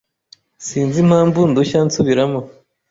Sinzi impamvu ndushya nsubiramo.